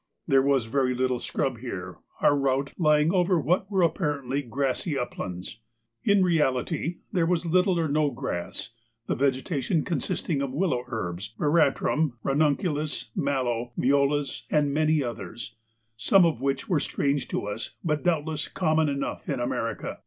There was very little scrub here, our route lying over what were apparently grassy uplands. In reality there was little or no grass, the vegetation consisting of willow herbs, veratrum, ranunculus, mallow, violas, and many others, some of which were strange to us but doubtless common enough in America.